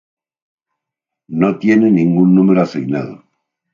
No tiene ningún número asignado.